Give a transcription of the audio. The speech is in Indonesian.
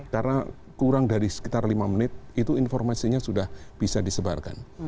karena kurang dari sekitar lima menit itu informasinya sudah bisa disebarkan